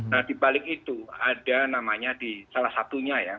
nah dibalik itu ada namanya di salah satunya ya